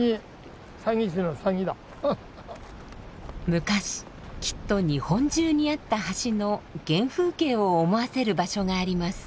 昔きっと日本中にあった橋の原風景を思わせる場所があります。